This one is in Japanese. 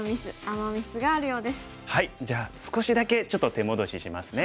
じゃあ少しだけちょっと手戻ししますね。